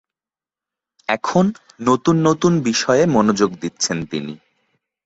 এখন নতুন নতুন বিষয়ে মনোযোগ দিচ্ছেন তিনি।